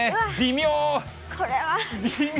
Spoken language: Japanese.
微妙。